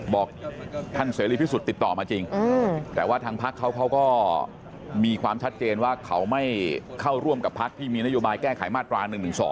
บอกท่านเสรีพิสุทธิ์ติดต่อมาจริงแต่ว่าทางพักเขาเขาก็มีความชัดเจนว่าเขาไม่เข้าร่วมกับพักที่มีนโยบายแก้ไขมาตรา๑๑๒